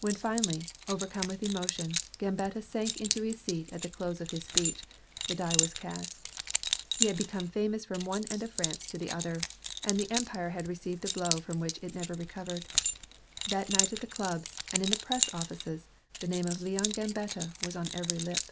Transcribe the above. When finally, overcome with emotion, Gambetta sank into his seat at the close of his speech, the die was cast. He had become famous from one end of France to the other, and the Empire had received a blow from which it never recovered. That night at the clubs, and in the press offices, the name of Leon Gambetta was on every lip.